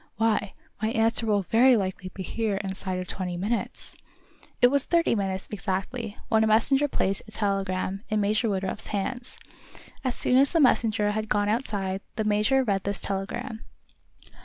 Why, my answer will very likely be here inside of twenty minutes!" It was thirty minutes, exactly, when a messenger placed a telegram in Major Woodruff's hands. As soon as the messenger had gone outside, the major read this telegram.